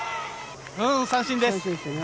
三振です。